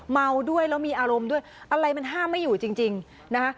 เมาด้วยแล้วมีอารมณ์ด้วยอะไรมันห้ามไม่อยู่จริงนะคะ